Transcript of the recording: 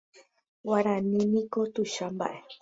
Guarani niko tuicha mbaʼe.